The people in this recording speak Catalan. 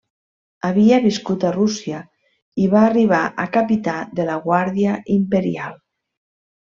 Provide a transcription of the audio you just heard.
Havia viscut a Rússia i va arribar a capità de la guàrdia imperial.